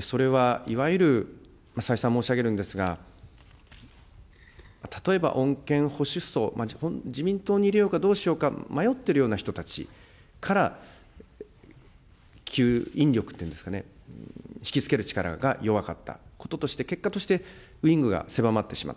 それはいわゆる、再三申し上げるんですが、例えば穏健保守層、自民党に入れようか、どうしようか迷っているような人たちから吸引力っていうんですかね、引きつける力が弱かったこととして、結果として、ウイングが狭まってしまった。